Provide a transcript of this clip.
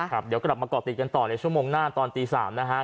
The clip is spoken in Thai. เดี๋ยวกลับมาก่อติดกันต่อในชั่วโมงหน้าตอนตี๓นะฮะ